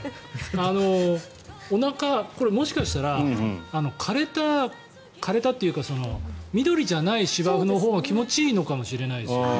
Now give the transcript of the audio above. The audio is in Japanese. おなか、もしかしたら枯れたというか緑じゃない芝生のほうが気持ちいのかもしれないですね。